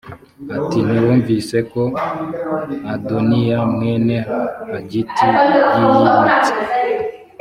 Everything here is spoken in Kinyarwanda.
ati ntiwumvise ko adoniya mwene hagiti yiyimitse